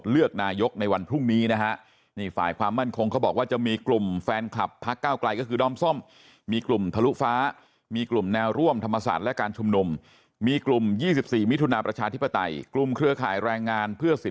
เลือกนายกในวันพรุ่งนี้นะฮะนี่ฝ่ายความมั่นคงเขาบอกว่าจะมีกลุ่มแฟนคลับพักเก้าไกลก็คือด้อมส้มมีกลุ่มทะลุฟ้ามีกลุ่มแนวร่วมธรรมศาสตร์และการชุมนุมมีกลุ่ม๒๔มิถุนาประชาธิปไตยกลุ่มเครือข่ายแรงงานเพื่อสิ